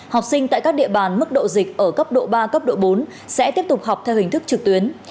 học sinh tại các địa bàn mức độ dịch ở cấp độ ba cấp độ bốn sẽ tiếp tục học theo hình thức trực tuyến